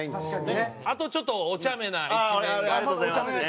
あとちょっとおちゃめな一面があって。